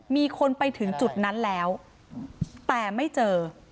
มีคนไปถึงจุดนั้นแล้วแต่ไม่เจอ